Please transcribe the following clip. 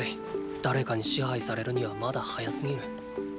誰かに支配されるにはまだ早すぎる。